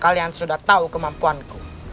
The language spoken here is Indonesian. kalian sudah tahu kemampuanku